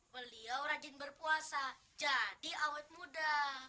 beliau rajin berpuasa jadi awet muda